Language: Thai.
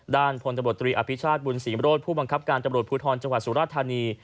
ด้านผลตะบดตรีอภิชาศบุญศรีบริโรธผู้บังคับการตรรบรถภูทรจังหวัดสุรทานี